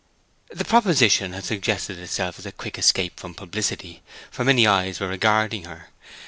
The proposition had suggested itself as a quick escape from publicity, for many eyes were regarding her.